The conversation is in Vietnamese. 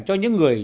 cho những người